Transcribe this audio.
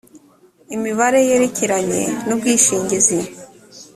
imibare yerekeranye n ubwishingizi